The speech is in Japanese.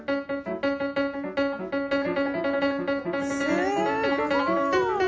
すごい！